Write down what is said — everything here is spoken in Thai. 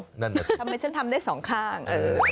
ทำไมฉันทำได้สองข้าง